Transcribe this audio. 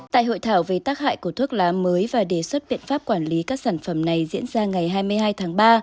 tại hội thảo về tác hại của thuốc lá mới và đề xuất biện pháp quản lý các sản phẩm này diễn ra ngày hai mươi hai tháng ba